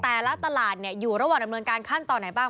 แต่ละตลาดอยู่ระหว่างดำเนินการขั้นตอนไหนบ้าง